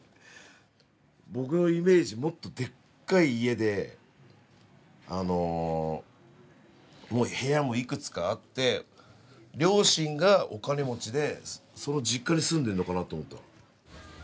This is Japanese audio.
僕のイメージもっとでっかい家でもう部屋もいくつかあって両親がお金持ちでその実家に住んでるのかなと思った。